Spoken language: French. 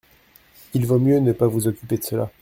Il vaut mieux ne pas vous occuper de cela.